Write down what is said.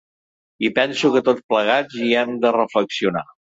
I penso que tots plegats hi hem de reflexionar.